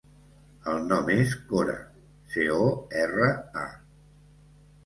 El nom és Cora: ce, o, erra, a.